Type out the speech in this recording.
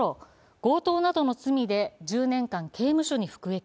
強盗などの罪で１０年間刑務所に服役。